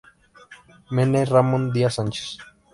Mene; Ramón Díaz Sánchez.